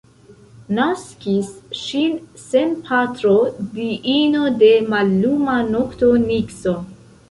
Naskis ŝin sen patro diino de malluma nokto Nikso.